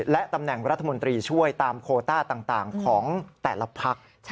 และตำแหน่งรัฐมนตรีช่วยตามโคต้าต่างของแต่ละพัก